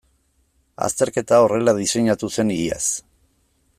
Azterketa horrela diseinatu zen iaz.